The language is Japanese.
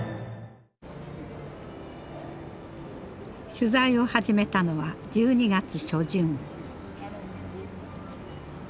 取材を始めたのは１２月初旬。